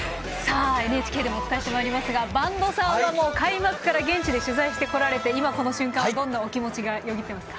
ＮＨＫでもお伝えしてまいりますが播戸さんは開幕から現地で取材してこられて今、この瞬間、どんなお気持ちがよぎってますか？